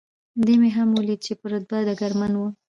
دی مې هم ولید، په رتبه ډګرمن و.